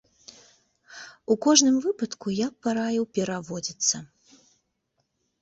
У кожным выпадку я б параіў пераводзіцца.